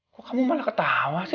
kok kamu malah ketawa sih